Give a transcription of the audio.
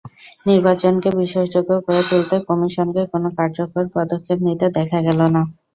নির্বাচনকে বিশ্বাসযোগ্য করে তুলতে কমিশনকে কোনো কার্যকর পদক্ষেপ নিতে দেখা গেল না।